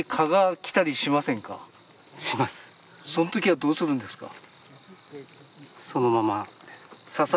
その時はどうするんですか？